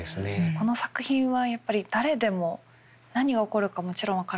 この作品はやっぱり誰でも何が起こるかもちろん分からないですし